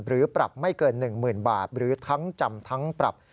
หรือปรับไม่เกิน๑๐๐๐บาทหรือทั้งจำทั้งปรับ